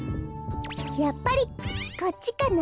やっぱりこっちかな？